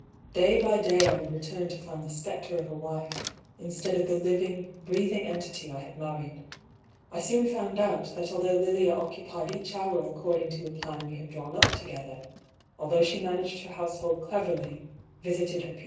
Day by day I would return to find the spectre of a wife, instead of the living, breathing entity I had mar ried. I soon found out that althougli Lilia occupied each hour according to a plan we had drawn up together ; al though she managed her household cleverly, visited her 142 I>R. PAULL'S THEORY.